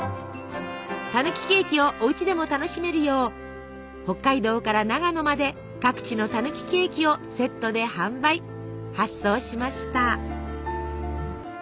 たぬきケーキをおうちでも楽しめるよう北海道から長野まで各地のたぬきケーキをセットで販売発送しました。